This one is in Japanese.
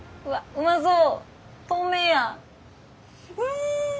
うまそう！